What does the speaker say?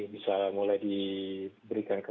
bisa mulai diberikan ke